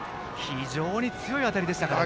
非常に強い当たりでしたからね。